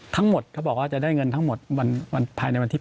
ทั้งหมดเขาบอกว่าจะได้เงินทั้งหมดภายในวันที่๑